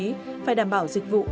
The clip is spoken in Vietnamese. phải đảm bảo dịch vụ